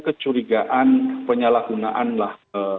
kecurigaan penyalahgunaan lah